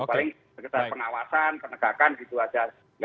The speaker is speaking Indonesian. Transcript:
paling sekedar pengawasan penegakan gitu aja